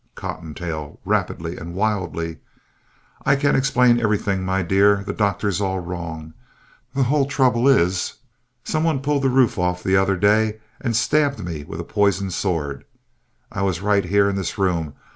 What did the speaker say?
COTTONTAIL (rapidly and wildly) I can explain everything, my dear. The doctor's all wrong. The whole trouble is somebody pulled the roof off the other day and stabbed me with a poisoned sword. I was right here in this room.